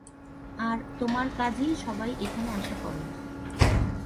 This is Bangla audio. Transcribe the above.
আর তোমার কাজই সবাই এখানে আশা করে।